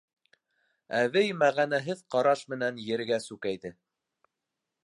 Әбей мәғәнәһеҙ ҡараш менән ергә сүкәйҙе.